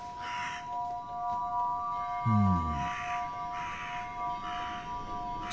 うん。